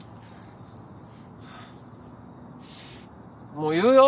もう言うよ！